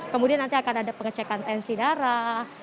kemudian nanti akan ada pengecekan tensi darah